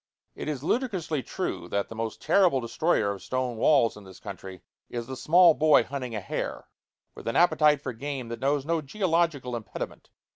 It is ludicrously true that the most terrible destroyer of stone walls in this country is the small boy hunting a hare, with an appetite for game that knows no geological impediment.